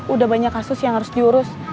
udah banyak kasus yang harus diurus